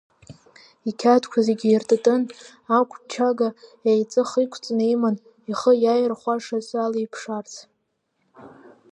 Иқьаадқәа зегьы иртытын, ақәчага еиҵых иқәҵаны иман, ихы иаирхәашаз алиԥшаарц.